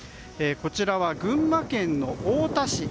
こちらは、群馬県の太田市。